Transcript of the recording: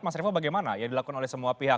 mas revo bagaimana yang dilakukan oleh semua pihak